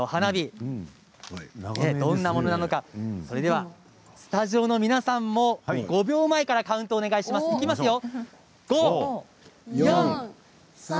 それではスタジオの皆さんも５秒前からカウントをお願いします。